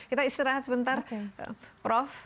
kita istirahat sebentar prof